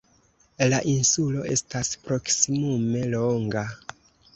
La insulo estas proksimume longa.